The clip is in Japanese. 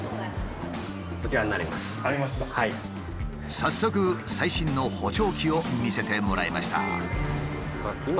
早速最新の補聴器を見せてもらいました。